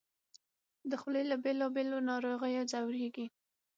د خولې له بېلابېلو ناروغیو ځورېږي